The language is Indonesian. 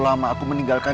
dan aku harap